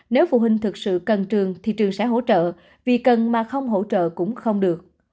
nếu phụ huynh thực sự cần trường thì trường sẽ hỗ trợ vì cần mà không hỗ trợ cũng không được